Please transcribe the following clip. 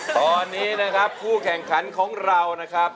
ตอนนี้นะครับผู้แข่งขันของเรานะครับ